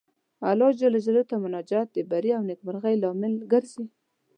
الله جل جلاله ته مناجات د بري او نېکمرغۍ لامل ګرځي.